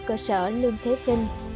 cơ sở lương thế vinh